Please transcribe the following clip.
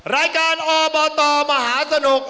รายการอบตมหาสนุก